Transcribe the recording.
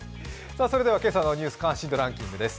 それでは今朝の「ニュース関心度ランキング」です。